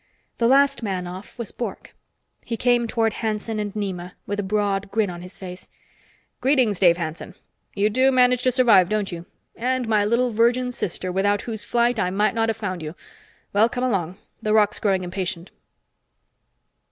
The last man off was Bork. He came toward Hanson and Nema with a broad grin on his face. "Greetings, Dave Hanson. You do manage to survive, don't you? And my little virgin sister, without whose flight I might not have found you. Well, come along. The roc's growing impatient!"